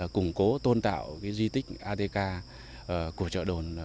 củng cố tôn tạo cái di tích atk của trợ đồn